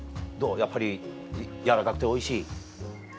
やっぱり軟らかくておいしい？